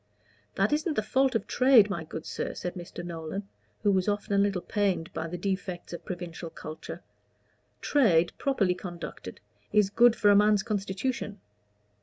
"That isn't the fault of trade, my good sir," said Mr. Nolan, who was often a little pained by the defects of provincial culture. "Trade, properly conducted, is good for a man's constitution.